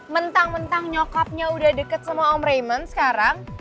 mentang mentang nyokapnya udah deket sama om rayment sekarang